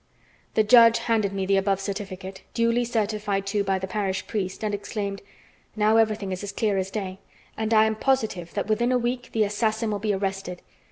The judge handed me the above certificate, duly certified to by the parish priest, and exclaimed: "Now everything is as clear as day, and I am positive that within a week the assassin will be arrested.